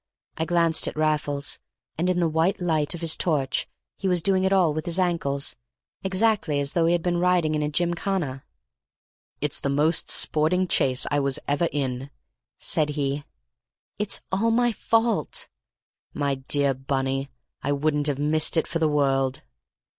I glanced at Raffles, and in the white light of his torch he was doing it all with his ankles, exactly as though he had been riding in a Gymkhana. "It's the most sporting chase I was ever in," said he. "All my fault!" "My dear Bunny, I wouldn't have missed it for the world!"